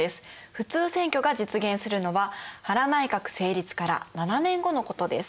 普通選挙が実現するのは原内閣成立から７年後のことです。